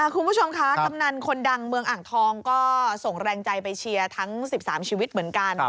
คุณผู้ชมคะกำนันคนดังเมืองอ่างทองก็ส่งแรงใจไปเชียร์ทั้ง๑๓ชีวิตเหมือนกัน